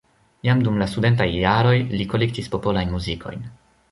Jam dum la studentaj jaroj li kolektis popolajn muzikojn.